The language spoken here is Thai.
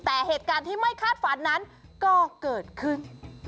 แต่เหตุการณ์ที่ไม่คาดฝันนั้นก็เกิดขึ้น